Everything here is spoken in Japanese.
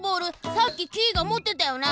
さっきキイがもってたよな？